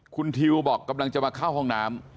คุณทิวบอกกำลังจะมาเข้าห้องน้ำ